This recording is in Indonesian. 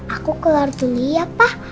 aku keluar dulu ya pak